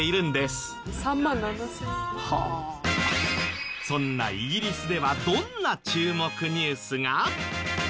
そんなイギリスではどんな注目ニュースが？